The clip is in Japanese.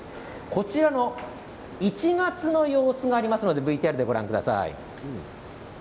こちらの１月の様子がありますので、ＶＴＲでご覧ください。